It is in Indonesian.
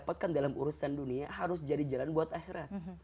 dan itu kan dalam urusan dunia harus jadi jalan buat akhirat